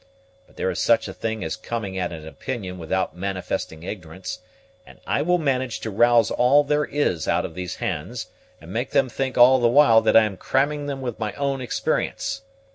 But there is such a thing as coming at an opinion without manifesting ignorance, and I will manage to rouse all there is out of these hands, and make them think all the while that I am cramming them with my own experience!